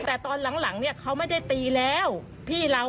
แต่ตอนหลังเนี่ยเขาไม่ได้ตีแล้วพี่เรา